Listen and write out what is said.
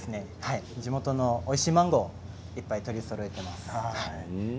地元のおいしいマンゴーをいっぱい取りそろえています。